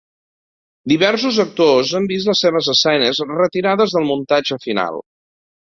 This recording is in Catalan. Diversos actors han vist les seves escenes retirades del muntatge final.